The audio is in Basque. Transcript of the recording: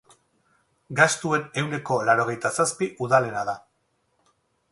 Gastuen ehuneko laurogeita zazpi udalena da.